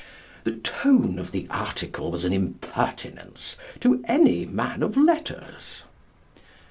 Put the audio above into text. The tone of the article was an impertinence to any man of letters.